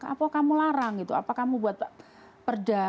apa kamu larang gitu apa kamu buat perda